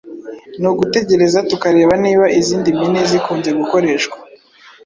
Ni ugutegereza tukareba niba izindi mpine zikunze gukoreshwa